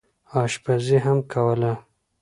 اشپزي هم کوله.